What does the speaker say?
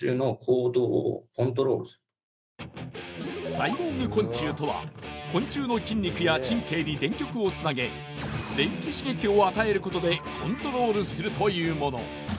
サイボーグ昆虫とは昆虫の筋肉や神経に電極をつなげ電気刺激を与えることでコントロールするというもの。